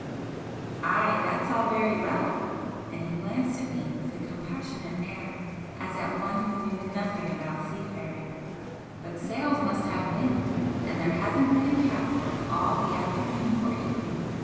"Ay, that's all very well!" and he glanced at me with a compassionate air as at one who knew nothing about seafaring "But sails must have wind, and there hasn't been a capful all the afternoon or evening.